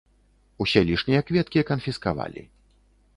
Усе лішнія кветкі канфіскавалі.